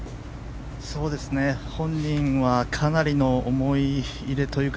本人はかなりの思い入れというか